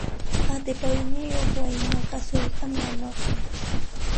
Atipayniyuq waynaqa sullk'anta maqan.